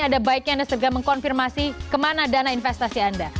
ada baiknya anda segera mengkonfirmasi kemana dana investasi anda